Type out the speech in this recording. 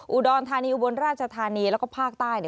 อุดรธานีอุบลราชธานีแล้วก็ภาคใต้